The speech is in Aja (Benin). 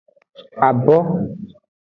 Abo.